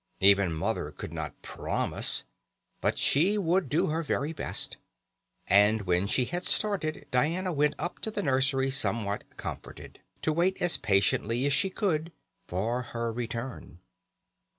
Even Mother could not promise, but she would do her very best, and when she had started Diana went up to the nursery somewhat comforted, to wait as patiently as she could for her return.